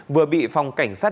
vừa bị phòng cảnh sát